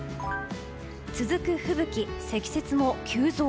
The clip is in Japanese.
続く吹雪、積雪も急増。